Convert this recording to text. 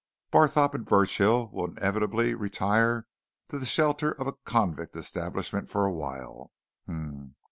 "Barthorpe and Burchill will inevitably retire to the shelter of a convict establishment for awhile.